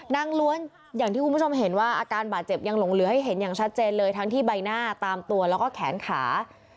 ล้วนอย่างที่คุณผู้ชมเห็นว่าอาการบาดเจ็บยังหลงเหลือให้เห็นอย่างชัดเจนเลยทั้งที่ใบหน้าตามตัวแล้วก็แขนขา